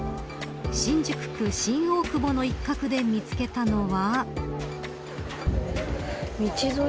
新宿区新大久保の一角で見つけたのは。